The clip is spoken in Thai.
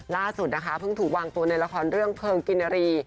ล่าสุดนะคะเพิ่งถูกวางตัวในละครเรื่องเพลิงกินรี